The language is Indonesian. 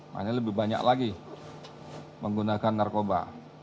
makanya lebih banyak lagi menggunakan narkoba